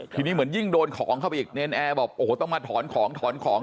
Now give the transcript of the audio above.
ทีนี้เหมือนยิ่งโดนของเข้าไปอีกเนรนแอร์บอกโอ้โหต้องมาถอนของถอนของ